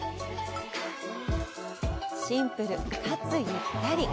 シンプルかつゆったり。